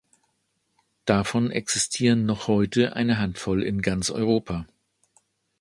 Davon existieren noch heute eine Handvoll in ganz Europa.